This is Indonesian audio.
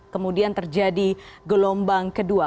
kemudian terjadi gelombang kedua